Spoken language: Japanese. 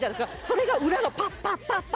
それが裏がパッパッパッパ